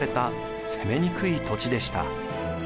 攻めにくい土地でした。